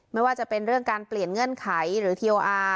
ไม่ว่าจะเป็นเรื่องการเปลี่ยนเงื่อนไขหรือทีโออาร์